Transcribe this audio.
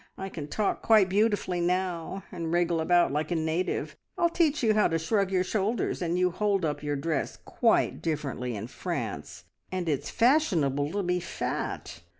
I can talk quite beautifully now, and wriggle about like a native. I'll teach you how to shrug your shoulders, and you hold up your dress quite differently in France, and it's fashionable to be fat.